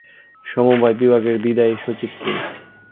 সমবায় বিভাগের বিদায়ী সচিব কে?